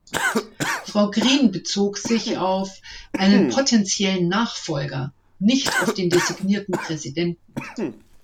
Frau Green bezog sich auf "einen potentiellen Nachfolger", nicht auf den designierten Präsidenten.